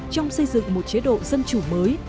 trong xây dựng một chế độ dân chủ mới